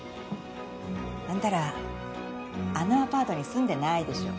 あんたらあのアパートに住んでないでしょ？